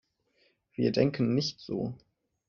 Wir denken nicht so.